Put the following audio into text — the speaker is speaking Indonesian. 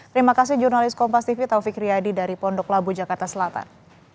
terima kasih jurnalis kompas tv taufik riyadi dari pondok labu jakarta selatan